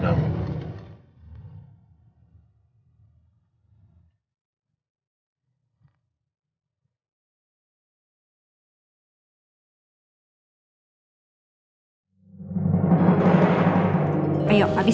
yang membanggakan kamu